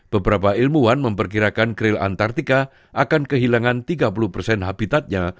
beberapa ilmuwan memperkirakan bahwa kerel di antarabangsa ini tidak akan berubah dengan kerel di selatan